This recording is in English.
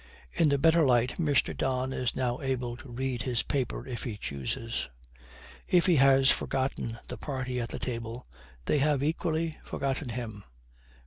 In the better light Mr. Don is now able to read his paper if he chooses. If he has forgotten the party at the table, they have equally forgotten him.